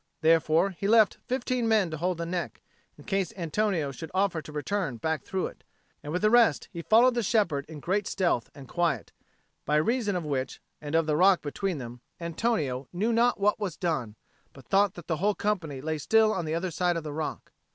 Therefore he left fifteen men to hold the neck, in case Antonio should offer to return back through it, and with the rest he followed the shepherd in great stealth and quiet; by reason of which, and of the rock between them, Antonio knew not what was done, but thought that the whole company lay still on the other side of the neck.